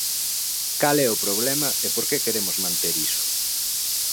¿Cal é o problema e por que queremos manter iso?